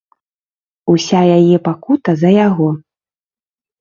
Уся яе пакута за яго!